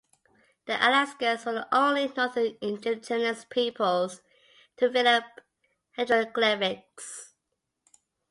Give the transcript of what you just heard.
The Alaskans were the only Northern indigenous peoples to develop hieroglyphics.